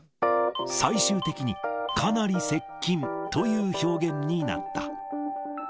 最終的に、かなり接近という表現になった。